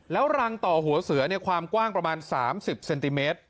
แล้วรังต่อหัวเสือความกว้างประมาณ๓๐เซนติเมตร